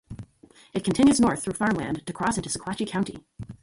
It continues north through farmland to cross into Sequatchie County.